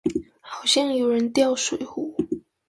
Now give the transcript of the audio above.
好像有人掉水壺